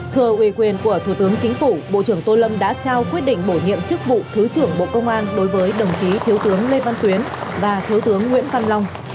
thờ ủy quyền của thủ tướng chính phủ bộ trưởng tô lâm đã trao quyết định bổ nhiệm chức vụ thứ trưởng bộ công an đối với đồng chí thiếu tướng lê văn tuyến và thiếu tướng nguyễn văn long